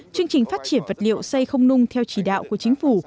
chương trình phát triển vật liệu xây không nung theo chỉ đạo của chính phủ